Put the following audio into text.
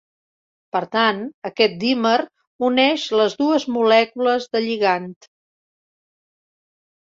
Per tant, aquest dímer uneix les dues molècules de lligant.